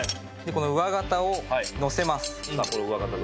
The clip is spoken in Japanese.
上型を乗せます。